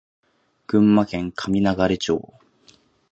群馬県神流町